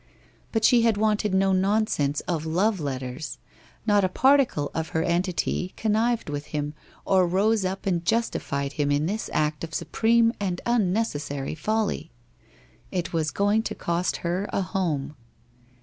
But she had wanted no nonsense of love letters. Xot a particle of her entity connived with him, or rose up and justified him in this act of supreme and unnecessary folly. It was going to cost her a home.